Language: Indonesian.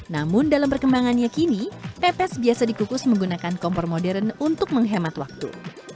namun dalam perkembangannya kini pepes biasa dikukus menggunakan kompor modern untuk menghemat waktu